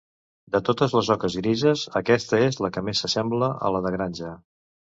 De totes les oques grises, aquesta és la que més s'assembla a la de granja.